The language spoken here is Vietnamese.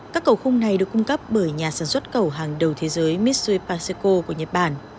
các cầu khung này được cung cấp bởi nhà sản xuất cầu hàng đầu thế giới mitsubishi paseko của nhật bản